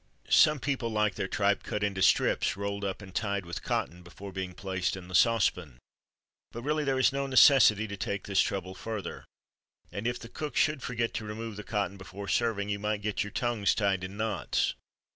Some people like their tripe cut into strips rolled up and tied with cotton, before being placed in the saucepan; but there is really no necessity to take this further trouble. And if the cook should forget to remove the cotton before serving, you might get your tongues tied in knots.